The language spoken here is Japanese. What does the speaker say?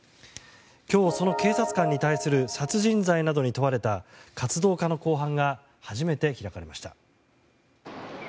今日、その警察官に対する殺人罪などに問われた活動家の公判が初めて開かれました。